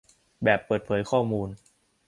แบบเปิดเผยข้อมูล